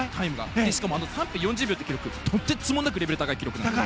しかも３分４０秒という記録とてつもないレベルの高い記録なんです。